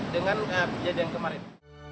dengan kejadian kemarin